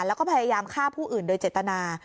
แล้วก็พยายามฆ่าผู้อื่นโดยเจตนา